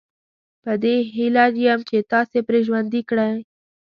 په دې هیله یم چې تاسي پرې ژوندي ګرځئ.